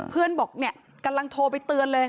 เพื่อนบอกเนี่ยกำลังโทรไปเตือนเลย